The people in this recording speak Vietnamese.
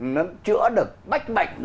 nó chữa được bách mạnh